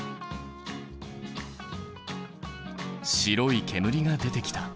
白い煙が出てきた。